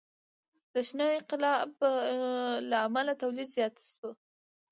د شنه انقلاب له امله تولید زیات شو.